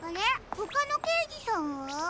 ほかのけいじさんは？